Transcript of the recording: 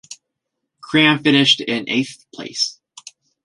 Cram finished in eighth place.